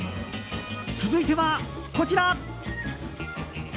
続いては、こちら。